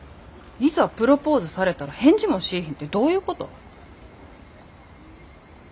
いざプロポーズされたら返事もしいひんてどういうこと？